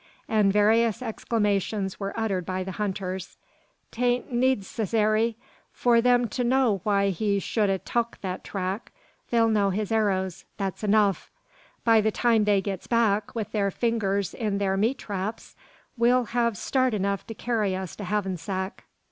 and various exclamations, were uttered by the hunters. "'Tain't needcessary for them to know why he shud 'a tuk that track. They'll know his arrows; that's enuf. By the time they gits back, with their fingers in thur meat traps, we'll hev start enough to carry us to Hackensack."